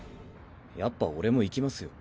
やっぱ俺も行きますよ。